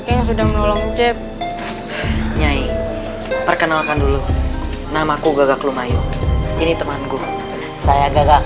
dulu udah sudah menolong cep nyai perkenalkan dulu namaku gagak lumayo ini teman gua saya gagak